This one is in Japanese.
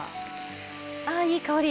ああいい香り！